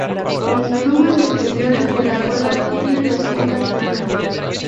Las plumas exteriores de la cola tienen las puntas blancas.